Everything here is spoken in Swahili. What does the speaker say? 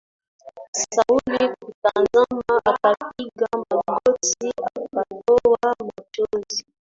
Sauli kutazama akapiga magoti akatoa machozi.